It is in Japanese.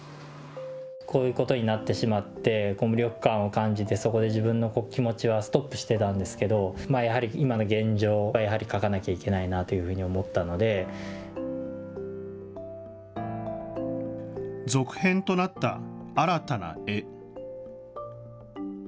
こういうことになってしまって、無力感を感じて、そこで自分の気持ちはストップしてたんですけど、やはり今の現状はやはり描かなきゃいけないなというふうに思った続編となった新たな絵。